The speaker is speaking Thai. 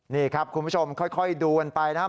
นี่ครับคุณผู้ชมค่อยดูกันไปนะครับ